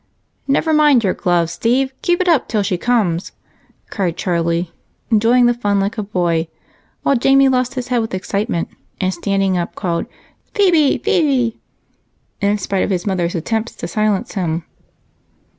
"Never mind your gloves, Steve; keep it up till she comes," cried Charlie, enjoying the fun like a boy while Jamie lost his head with excitement and, standing up, called "Phebe! Phebe!" in spite of his mother's attempts to silence him.